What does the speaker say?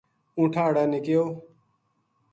اونٹھاں ہاڑا نے کہیو